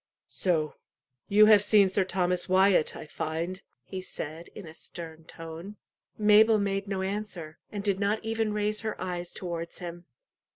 "So you have seen Sir Thomas Wyat, I find," he said, in a stern tone. Mabel made no answer, and did not even raise her eyes towards him.